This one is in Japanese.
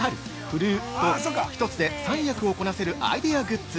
「ふるう」と１つで３役をこなせるアイデアグッズ